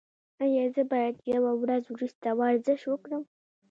ایا زه باید یوه ورځ وروسته ورزش وکړم؟